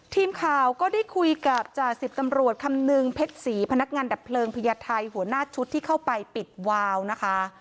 ทีมข่าวก็ได้คุยกับจ่าสิบตำรวจคำนึงเพชรศรีพนักงานดับเพลิงพญาไทยหัวหน้าชุดที่เข้าไปปิดวาวนะคะ